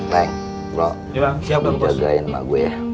plank bro siap dong jagain emak gue ya